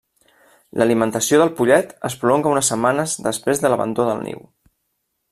L'alimentació del pollet es prolonga unes setmanes després de l'abandó del niu.